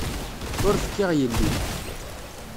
Ur fkiɣ yelli.